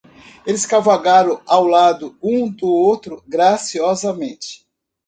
Eles cavalgaram ao lado um do outro graciosamente.